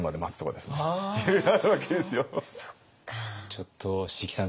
ちょっと椎木さん